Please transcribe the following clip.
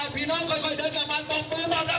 พี่น้องค่อยเดินกลับมาตบมือต้อนรับ